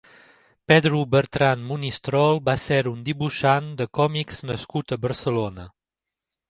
Pedro Bertran Monistrol va ser un dibuixant de còmics nascut a Barcelona.